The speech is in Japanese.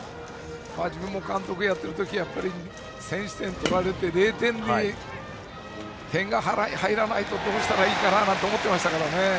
自分も監督をやっている時先取点を取られて０点で点が入らないとどうしたらいいかなと思っていましたから。